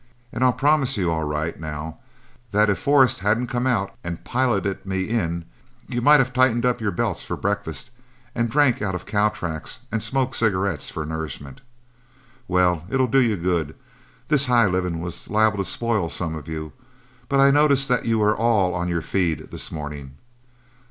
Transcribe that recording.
And I'll promise you all right now that if Forrest hadn't come out and piloted me in, you might have tightened up your belts for breakfast and drank out of cow tracks and smoked cigarettes for nourishment. Well, it'll do you good; this high living was liable to spoil some of you, but I notice that you are all on your feed this morning.